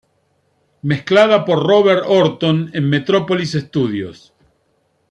Mezclada por Robert Orton en Metropolis Studios.